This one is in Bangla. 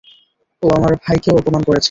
ও আমার ভাইকেও অপমান করেছে!